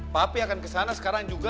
tapi akan kesana sekarang juga